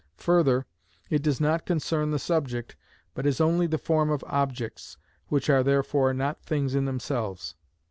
Further, it does not concern the subject, but is only the form of objects, which are therefore not things in themselves.